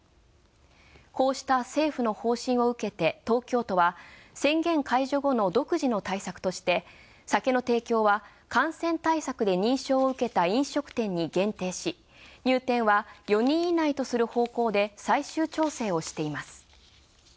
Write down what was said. こうした政府の方針を受けて、東京都は宣言解除後の独自の対策として酒の提供は感染対策で認証を受けた飲食店に限定し、入店は４人以内とする方向で最終調整をしています。